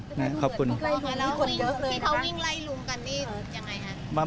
พอมาแล้ววิ่งไล่ลุงกันนี่อย่างไรครับ